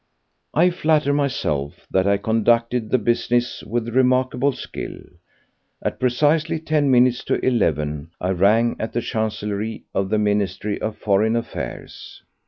2. I flatter myself that I conducted the business with remarkable skill. At precisely ten minutes to eleven I rang at the Chancellerie of the Ministry for Foreign Affairs.